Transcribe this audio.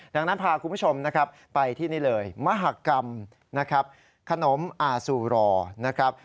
ดังนั้นพาคุณผู้ชมไปที่นี่เลยมหกรรมขนมอาสูรอนะครับ